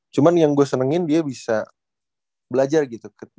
cuma yang gue senengin dia bisa belajar gitu